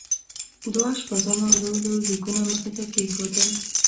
دوه اشپزانو لوی لوی دیګونه مخې ته کېښودل.